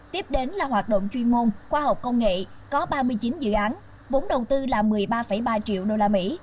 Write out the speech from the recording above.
tiếp đến là hoạt động chuyên môn khoa học công nghệ có ba mươi chín dự án vốn đầu tư là một mươi ba ba triệu đô la mỹ